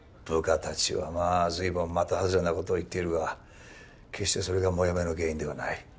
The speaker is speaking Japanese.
部下たちはまあずいぶん的外れなことを言っているが決してそれがもやもやの原因ではない。